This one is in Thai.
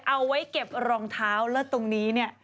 เอาไว้เก็บรองเท้าแล้วตรงนี้เนี่ย